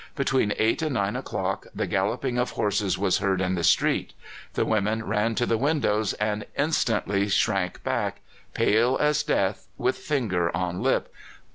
Between eight and nine o'clock the galloping of horses was heard in the street. The women ran to the windows and instantly shrank back, pale as death, with finger on lip.